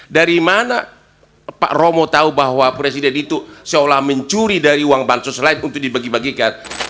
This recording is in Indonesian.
dari mana pak romo tahu bahwa presiden itu seolah mencuri dari uang bansos lain untuk dibagi bagikan